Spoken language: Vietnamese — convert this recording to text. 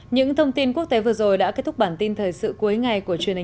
những thông tin quốc tế vừa rồi đã kết thúc bản tin thời sự cuối ngày của truyền hình